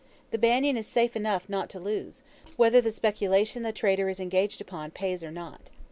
The Banyan is safe enough not to lose, whether the speculation the trader is engaged upon pays or not.